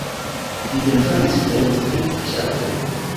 Li pentradis plej ofte ŝafojn.